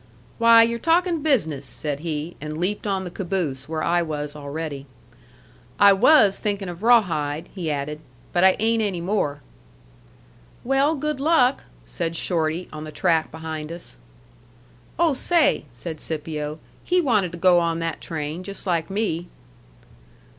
"Why, you're talkin' business!" said he, and leaped on the caboose, where I was already. "I WAS thinkin' of Rawhide," he added, "but I ain't any more." "Well, good luck!" said Shorty, on the track behind us. "Oh, say!" said Scipio, "he wanted to go on that train, just like me."